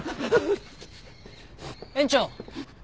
園長。